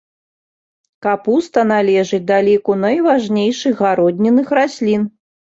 Капуста належыць да ліку найважнейшых гароднінных раслін.